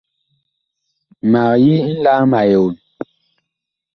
Mag yi nlaam a eon.